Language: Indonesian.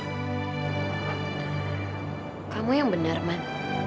kamu yang benar man